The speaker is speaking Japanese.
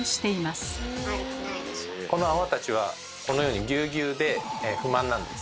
この泡たちはこのようにぎゅうぎゅうで不満なんです。